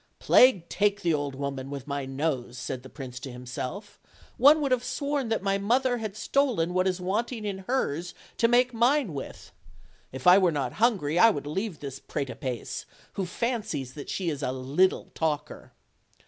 "Plague take the old woman with my nose!" said the prince to himself; "one would have sworn that my mother had stolen what is wanting in hers to make OLD, OLD FAIRY TALES. 281 mine with; if I were not hungry I would leave this prate a pace, who fancies that she is a little talker.